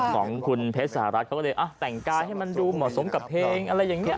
ของคุณเพชรสหรัฐเขาก็เลยแต่งกายให้มันดูเหมาะสมกับเพลงอะไรอย่างนี้